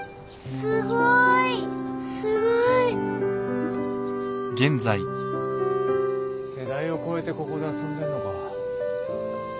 すごいすごい世代を超えてここで遊んでんのか。